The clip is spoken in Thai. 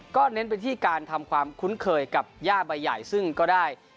ก็เน้นไปที่การทำความคุ้นเคยกับย่าใบใหญ่ซึ่งก็ได้